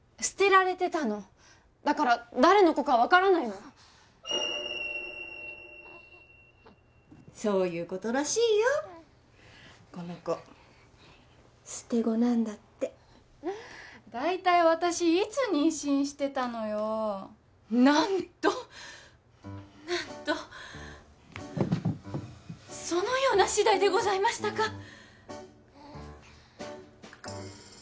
捨てられてたのだから誰の子か分からないのそういうことらしいよこの子捨て子なんだって大体私いつ妊娠してたのよ何と何とそのような次第でございましたか